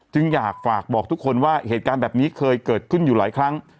อยากฝากบอกทุกคนว่าเหตุการณ์แบบนี้เคยเกิดขึ้นอยู่หลายครั้ง